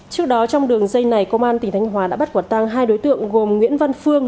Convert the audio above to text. trước đó trong đường dây này công an tỉnh thanh hóa đã bắt quả tăng hai đối tượng gồm nguyễn văn phương